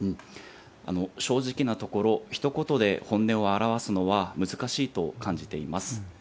正直なところ、ひと言で本音を表すのは難しいと感じています。